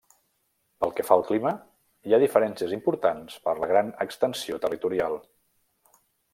Pel que fa al clima, hi ha diferències importats per la gran extensió territorial.